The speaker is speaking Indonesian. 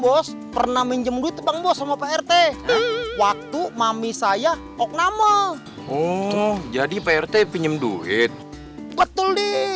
bos pernah minjem duit tebang bos sama prt waktu mami saya oknama oh jadi prt pinjam duit betul nih